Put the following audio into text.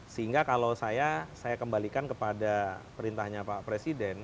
sehingga kalau saya saya kembalikan kepada perintahnya pak presiden